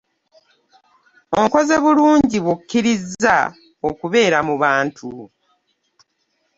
Onkoze bulungi bw'okkirizza okubeera mu bantu.